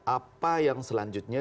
apa yang selanjutnya